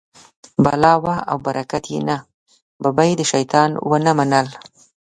بلا وه او برکت یې نه، ببۍ د شیطان و نه منل.